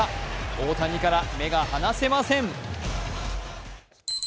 大谷から目が離せません。